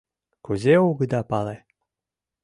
Кузе огыда пале?